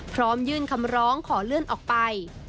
พร้อมยื่นคำร้องขอเลื่อนออกไป